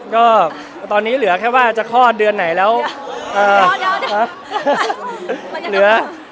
ก็ตอนนี้เหลือแค่ว่าจะคลอดเดือนไหนแล้วเอ่อเดี๋ยวเดี๋ยวเดี๋ยว